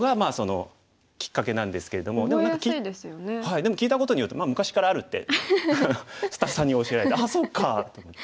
でも聞いたことによって昔からあるってスタッフさんに教えられて「ああそうか」って思って。